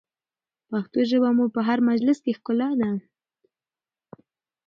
پښتو ژبه مو په هر مجلس کې ښکلا ده.